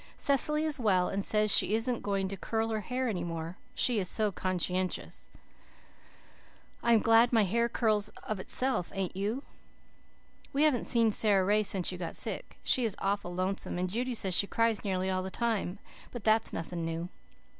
Cecily is well and says she isn't going to curl her hair any more. She is so conscienshus. I am glad my hair curls of itself, ain't you? "We haven't seen Sara Ray since you got sick. She is awful lonesome, and Judy says she cries nearly all the time but that is nothing new.